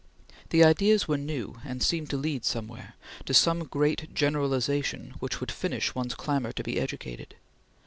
The ideas were new and seemed to lead somewhere to some great generalization which would finish one's clamor to be educated.